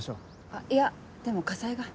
いやでも火災が。